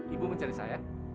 ibu mencari saya